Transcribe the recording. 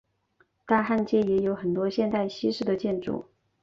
但汉街也有很多现代西式的建筑。